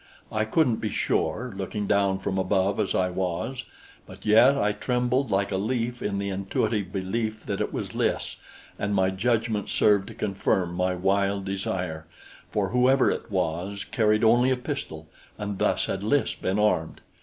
I couldn't be sure, looking down from above as I was; but yet I trembled like a leaf in the intuitive belief that it was Lys, and my judgment served to confirm my wild desire, for whoever it was carried only a pistol, and thus had Lys been armed.